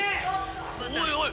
「おいおい！」